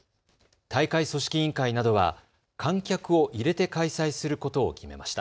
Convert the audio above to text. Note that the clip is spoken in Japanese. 大会組織委員会などは観客を入れて開催することを決めました。